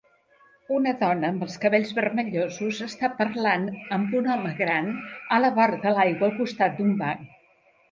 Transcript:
Una dona amb els cabells vermellosos està parlant amb un home gran a la vora de l'aigua, al costat d'un banc.